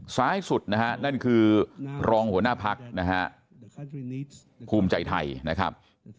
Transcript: ซ้ายสุดนะฮะนั่นคือรองหัวหน้าพักนะฮะภูมิใจไทยนะครับ